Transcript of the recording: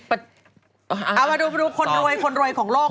เอามาดูคนรวยของโลกนะฮะ